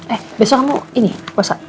eh besok kamu ini puasa